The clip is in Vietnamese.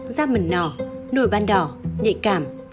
da mần nỏ nổi ban đỏ nhạy cảm